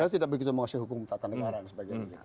saya tidak begitu menguasai hukum tata negara dan sebagainya